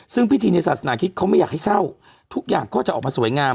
ซึ่งพิธีในศาสนาคิดเขาไม่อยากให้เศร้าทุกอย่างก็จะออกมาสวยงาม